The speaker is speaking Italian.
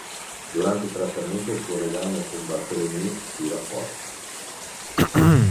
Durante il trattamento il suo legame con Barthélémy si rafforza.